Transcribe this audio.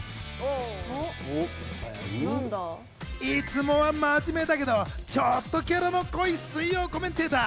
いつもは真面目だけどちょっとキャラの濃い水曜コメンテーター。